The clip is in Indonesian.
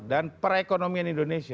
dan perekonomian indonesia